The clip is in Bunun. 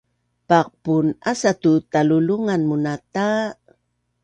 Paqpun asa tu talulungan munata